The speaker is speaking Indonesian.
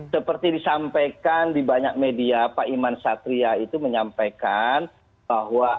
seperti disampaikan di banyak media pak iman satria itu menyampaikan bahwa